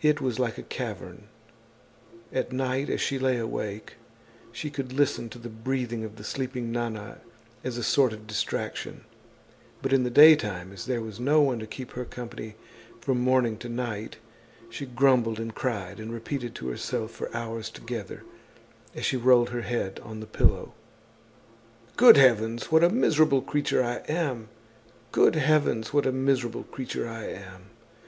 It was like a cavern. At night, as she lay awake, she could listen to the breathing of the sleeping Nana as a sort of distraction; but in the day time, as there was no one to keep her company from morning to night, she grumbled and cried and repeated to herself for hours together, as she rolled her head on the pillow: "Good heavens! What a miserable creature I am! Good heavens! What a miserable creature I am!